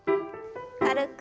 軽く。